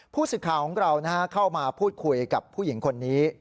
ผู้สื่อข่าวของเราเข้ามาพูดคุยกับผู้หญิงคนนี้